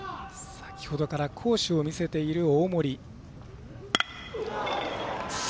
先ほどから好守を見せている大森。